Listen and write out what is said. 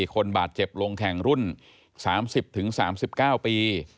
คนบาดเจ็บลงแข่งรุ่น๓๐๓๙ปี